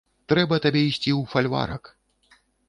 Трэба табе ісці ў фальварак!